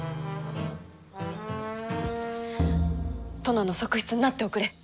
殿の側室になっておくれ。